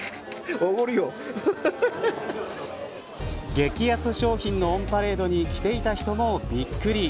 激安商品のオンパレードに来ていた人もびっくり。